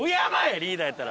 リーダーやったら。